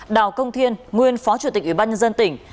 đào công thiên nguyên phó chủ tịch ủy ban nhân dân tỉnh